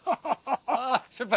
あっ先輩